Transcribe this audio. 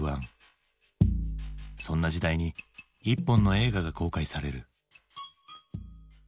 そんな時代に一本の映画が公開される。